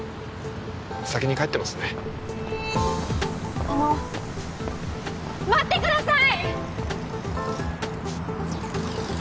先に帰ってますねあの待ってください！